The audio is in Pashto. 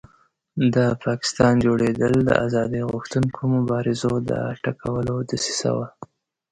د پاکستان جوړېدل د آزادۍ غوښتونکو مبارزو د ټکولو دسیسه وه.